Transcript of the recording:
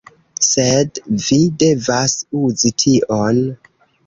Sed vi devas uzi tion